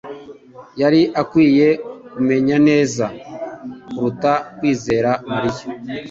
yari akwiye kumenya neza kuruta kwizera Mariya.